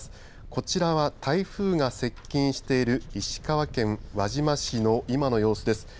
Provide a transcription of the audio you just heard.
こちらは台風が接近している石川県輪島市の今の様子です。